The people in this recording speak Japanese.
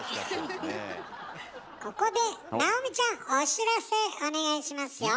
ここで尚美ちゃんお知らせお願いしますよ。